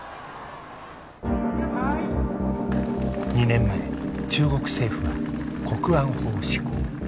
２年前中国政府は国安法を施行。